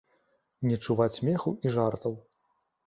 Не чуваць смеху і жартаў.